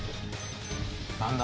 何だ？